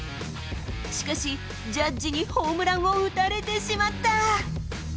しかし、ジャッジにホームランを打たれてしまった。